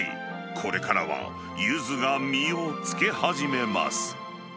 これからはゆずが実をつけ始めます。